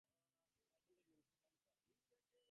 He attended the in Kempen.